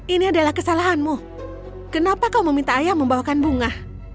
ini adalah kesalahanmu kenapa kau meminta ayah membawakan bunga